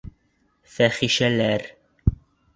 Фәхишәләр!